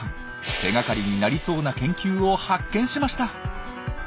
手がかりになりそうな研究を発見しました。